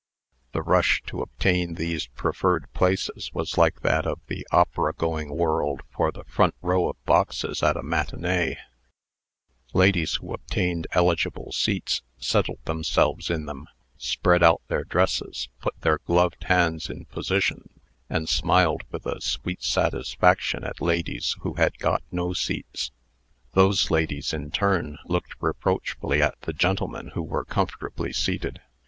The rush to obtain these preferred places was like that of the opera going world for the front row of boxes at a matinée. Ladies who obtained eligible seats, settled themselves in them, spread out their dresses, put their gloved hands in position, and smiled with a sweet satisfaction at ladies who had got no seats. Those ladies, in turn, looked reproachfully at the gentlemen who were comfortably seated.